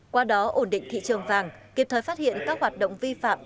qua đó ổn định thị trường vàng kịp thời phát hiện các hoạt động vi phạm